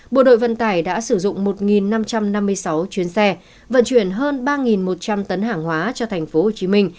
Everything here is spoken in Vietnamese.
bộ đội vận tải đã sử dụng một năm trăm năm mươi sáu chuyến xe vận chuyển hơn ba một trăm linh tấn hàng hóa cho tp hcm